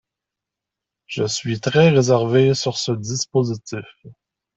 Je suis très réservée sur ce dispositif.